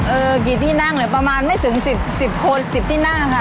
กี่ที่นั่งเลยประมาณไม่ถึง๑๐คน๑๐ที่นั่งค่ะ